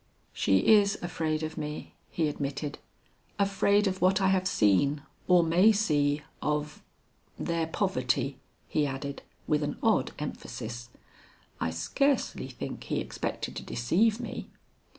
"She is afraid of me," he admitted, "afraid of what I have seen or may see of their poverty," he added, with an odd emphasis. I scarcely think he expected to deceive me.